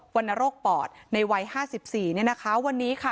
วรรณโรคปอดในวัยห้าสิบสี่เนี้ยนะคะวันนี้ค่ะ